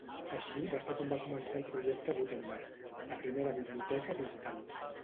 Així va ser com va començar el Projecte Gutenberg, la primera biblioteca digital.